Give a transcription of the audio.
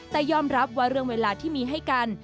แต่ยอมรับว่าเรื่องเวลาที่มีให้กัน